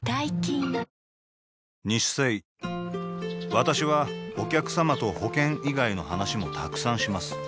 私はお客様と保険以外の話もたくさんします